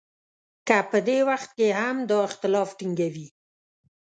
که په دې وخت کې هم دا اختلاف ټینګوي.